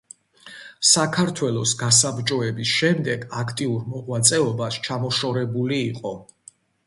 საქართველოს გასაბჭოების შემდეგ აქტიურ მოღვაწეობას ჩამოშორებული იყო.